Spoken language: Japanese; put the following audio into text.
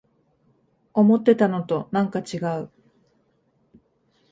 思ってたのとなんかちがう